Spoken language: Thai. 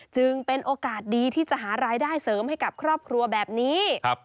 จึงเป็นโอกาสดีที่จะหารายได้เสริมให้กับครอบครัวแบบนี้